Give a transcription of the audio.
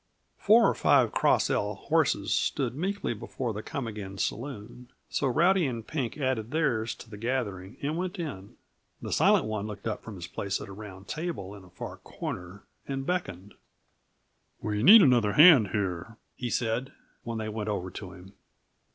Four or five Cross L horses stood meekly before the Come Again Saloon, so Rowdy and Pink added theirs to the gathering and went in. The Silent One looked up from his place at a round table in a far corner, and beckoned. "We need another hand here," he said, when they went over to him.